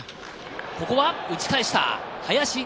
ここは打ち返した。